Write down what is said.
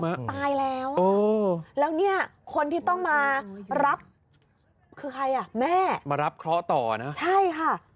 ตายแล้วแล้วเนี่ยคนที่ต้องมารับคือใครอ่ะแม่มารับเคราะห์ต่อนะใช่ค่ะ